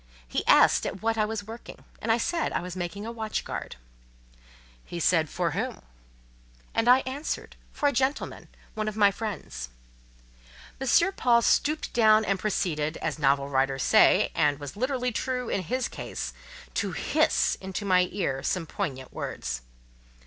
He asked at what I was working; and I said I was making a watchguard. He asked, "For whom?" And I answered, "For a gentleman—one of my friends." M. Paul stooped down and proceeded—as novel writers say, and, as was literally true in his case—to "hiss" into my ear some poignant words.